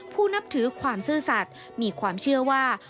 นับถือความซื่อสัตว์มีความเชื่อว่า